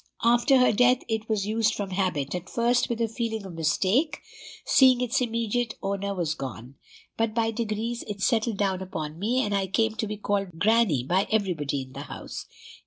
After her death, it was used from habit, at first with a feeling of mistake, seeing its immediate owner was gone; but by degrees it settled down upon me, and I came to be called grannie by everybody in the house.